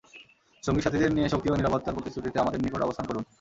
সঙ্গী-সাথীদের নিয়ে শক্তি ও নিরাপত্তার প্রতিশ্রুতিতে আমাদের নিকট অবস্থান করুন।